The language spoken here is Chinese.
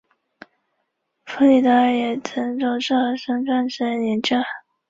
与夕阳产业相对的是朝阳产业。